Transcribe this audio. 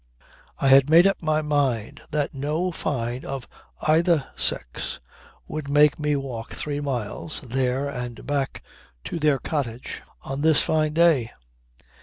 I had made up my mind that no Fyne of either sex would make me walk three miles (there and back to their cottage) on this fine day.